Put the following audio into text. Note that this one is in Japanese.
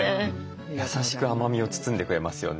優しく甘みを包んでくれますよね。